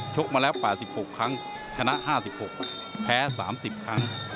ชกมาแล้วแปดสิบหกครั้งชนะห้าสิบหกแพ้สามสิบครั้ง